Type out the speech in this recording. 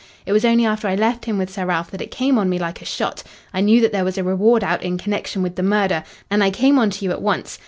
It was only after I left him with Sir Ralph that it came on me like a shot. I knew that there was a reward out in connection with the murder, and I came on to you at once.